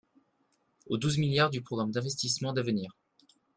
Aux douze milliards du programme d’investissements d’avenir